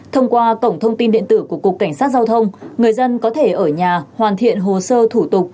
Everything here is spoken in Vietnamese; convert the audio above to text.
thông qua cổng thông tin điện tử của cục cảnh sát giao thông người dân có thể ở nhà hoàn thiện hồ sơ thủ tục